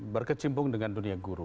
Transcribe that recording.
berkecimpung dengan dunia guru